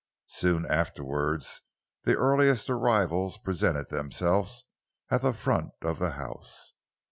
Soon afterwards, the earliest arrivals presented themselves at the front of the house.